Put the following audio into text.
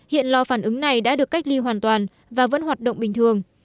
hiện lò phản ứng này đã được cách ly hoàn toàn và vẫn hoạt động bình thường